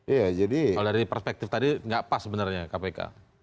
kalau dari perspektif tadi nggak pas sebenarnya kpk